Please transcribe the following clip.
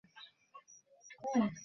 পানিতে ডুবিয়ে মেরে ফেলব।